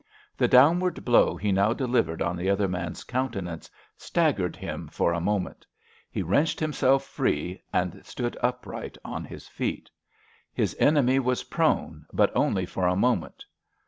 The downward blow he now delivered on the other man's countenance staggered him for a moment. He wrenched himself free and stood upright on his feet. His enemy was prone, but only for a moment.